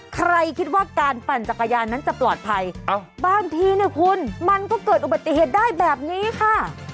คิดว่าการปั่นจักรยานนั้นจะปลอดภัยบางทีเนี่ยคุณมันก็เกิดอุบัติเหตุได้แบบนี้ค่ะ